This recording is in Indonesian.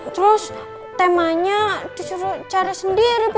terus temanya disuruh cari sendiri